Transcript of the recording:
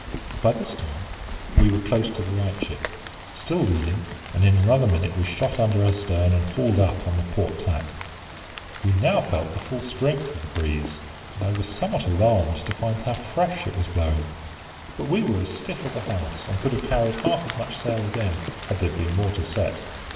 By this time we were close to the light ship, still leading, and in another minute we shot under her stern and hauled up on the port tack. We now felt the full strength of the breeze, and I was somewhat alarmed to find how fresh it was blowing. But we were as stiff as a house, and could have carried half as much sail again, had there been more to set.